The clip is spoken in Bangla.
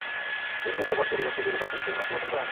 পেট দিয়ে পায়ুপথ তৈরি করতে দুই দফা শিশুটির অস্ত্রোপচার করা হয়।